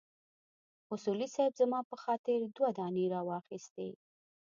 اصولي صیب زما په خاطر دوه دانې راواخيستې.